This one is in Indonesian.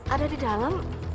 ada di dalam